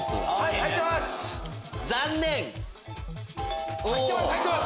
入ってます。